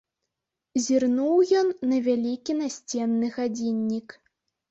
Зірнуў ён на вялікі насценны гадзіннік.